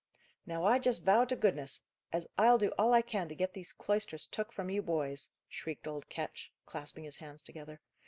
"Now I just vow to goodness, as I'll do all I can to get these cloisters took from you boys," shrieked old Ketch, clasping his hands together.